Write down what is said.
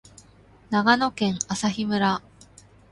長野県朝日村